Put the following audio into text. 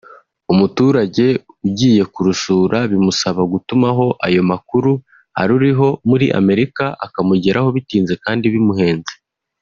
umuturage ugiye kurusura bimusaba gutumaho ayo makuru aruriho muri Amerika akamugeraho bitinze kandi bimuhenze